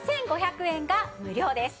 ５５００円が無料です。